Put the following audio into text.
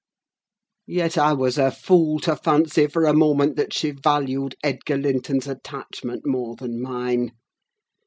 Yet I was a fool to fancy for a moment that she valued Edgar Linton's attachment more than mine.